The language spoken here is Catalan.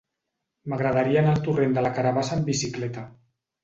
M'agradaria anar al torrent de la Carabassa amb bicicleta.